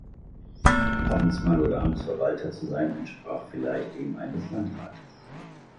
Amtmann oder Amtsverwalter zu sein, entsprach vielleicht dem eines Landrates.